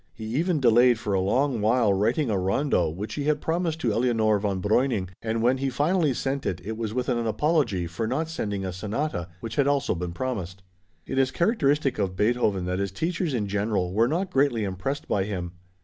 He even delayed for a long while writing a rondo which he had promised to Eleonore von Breuning and when he finally sent it, it was with an apology for not sending a sonata, which had also been promised. It is characteristic of Beethoven that his teachers in general were not greatly impressed by him.